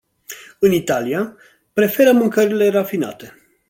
În Italia, preferă mâncărurile rafinate.